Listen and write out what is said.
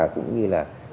cũng như là